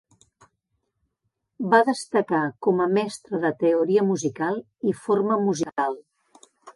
Va destacar com a mestre de teoria musical i forma musical.